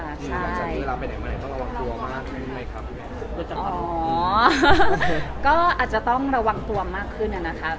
หลังจากนี้เราไปไหนต้องระวังตัวมากขึ้นไหมครับ